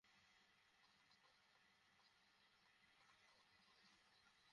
কেমন আছো পূজা?